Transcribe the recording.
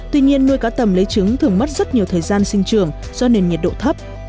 tuy nhiên nuôi cá tầm lấy trứng thường mất rất nhiều thời gian sinh trường do nền nhiệt độ thấp